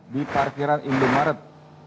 di parkiran indomaret